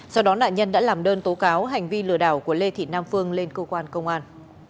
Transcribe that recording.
sau đó nạn nhân đã làm đơn tố cáo hành vi lừa đảo của lê thị nam phương lên cơ quan công an